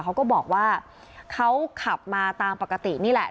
เขาก็บอกว่าเขาขับมาตามปกตินี่แหละ